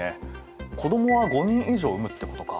子どもは５人以上産むってことか。